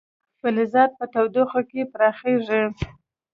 فلزات په تودوخه کې پراخېږي.